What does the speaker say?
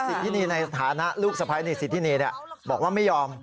สิทธินีในฐานะลูกสะพ้ายในสิทธินีบอกว่าไม่ยอม